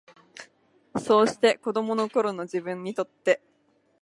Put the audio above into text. そうして、子供の頃の自分にとって、